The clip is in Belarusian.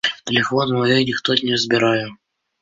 Тэлефон у яе ніхто не забірае.